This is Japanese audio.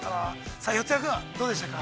さあ、四谷君、どうでしたか。